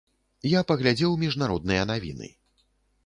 Я паглядзеў міжнародныя навіны.